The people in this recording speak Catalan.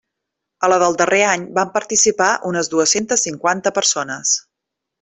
A la del darrer any van participar unes dues-centes cinquanta persones.